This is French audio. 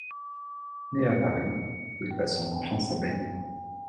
Né à Paris, il passe son enfance à Bagneux.